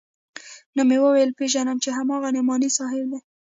نو ومې ويل پېژنم يې همدا نعماني صاحب دى.